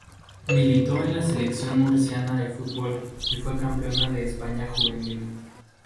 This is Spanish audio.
Militó en la Selección Murciana de Fútbol que fue campeona de España juvenil.